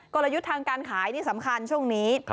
ลยุทธ์ทางการขายนี่สำคัญช่วงนี้